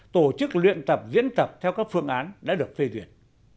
tổ chức luyện tập diễn tập theo các phương án đã được phê duyệt